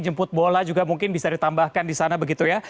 jemput bola juga mungkin bisa ditambahkan di sana begitu ya